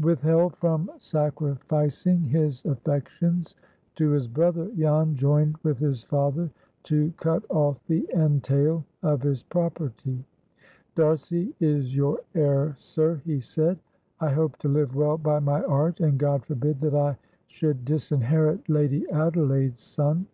Withheld from sacrificing his affections to his brother, Jan joined with his father to cut off the entail of his property. "D'Arcy is your heir, sir," he said. "I hope to live well by my art, and GOD forbid that I should disinherit Lady Adelaide's son."